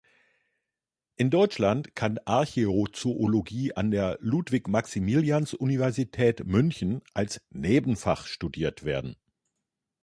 In Deutschland kann Archäozoologie an der Ludwig-Maximilians-Universität München als Nebenfach studiert werden.